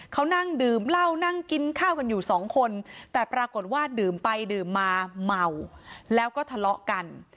เขานั่งดื่มเหล้านั่งกินข้าวกันอยู่สองคนแต่ปรากฏว่าดื่มไปดื่มมาเมาแล้วก็ทะเลาะกัน